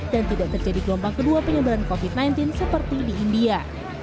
dan tidak terjadi gelombang kedua penyebaran covid sembilan belas seperti di india